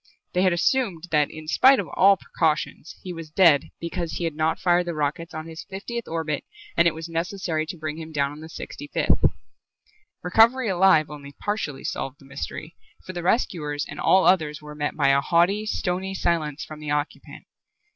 They had assumed that in spite of all precautions he was dead because he had not fired the rockets on the fiftieth orbit and it was necessary to bring him down on the sixty fifth. Recovery alive only partially solved the mystery, for the rescuers and all others were met by a haughty, stony silence from the occupant.